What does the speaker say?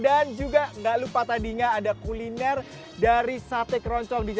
dan juga gak lupa tadi ada kuliner dari sate keroncong